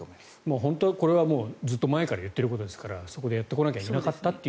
本当はこれはずっと前から言っていることですからそこでやってこなきゃいけなかったと。